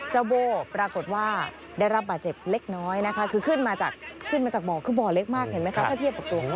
โบ้ปรากฏว่าได้รับบาดเจ็บเล็กน้อยนะคะคือขึ้นมาจากบ่อคือบ่อเล็กมากเห็นไหมคะถ้าเทียบกับหลวง